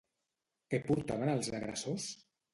Què portaven els agressors?